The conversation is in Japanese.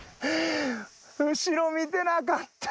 後ろ見てなかった。